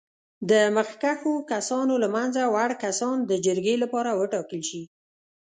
د مخکښو کسانو له منځه وړ کسان د جرګې لپاره وټاکل شي.